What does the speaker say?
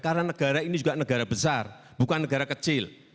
karena negara ini juga negara besar bukan negara kecil